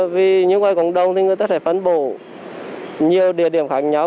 vì những ai còn đông thì người ta sẽ phản bộ nhiều địa điểm khác nhau